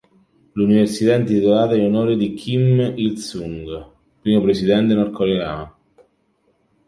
L'università è intitolata in onore di Kim Il-sung, primo presidente nordcoreano.